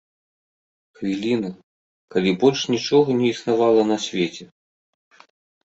Хвіліна, калі больш нічога не існавала на свеце.